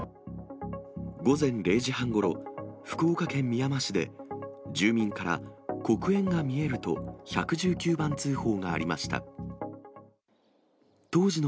午前０時半ごろ、福岡県みやま市で、住民から、黒煙が見えると１１９番通報がありました。